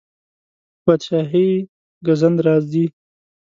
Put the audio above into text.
په پادشاهۍ ګزند راځي.